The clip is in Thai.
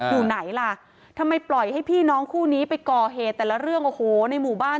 อยู่ไหนล่ะทำไมปล่อยให้พี่น้องคู่นี้ไปก่อเหตุแต่ละเรื่องโอ้โหในหมู่บ้าน